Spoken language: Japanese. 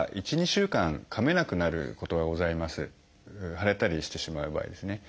腫れたりしてしまう場合ですね。